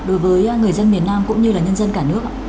đối với người dân miền nam cũng như là nhân dân cả nước